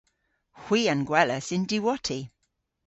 Hwi a'n gwelas y'n diwotti.